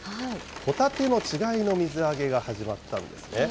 ホタテの稚貝の水揚げが始まったんですね。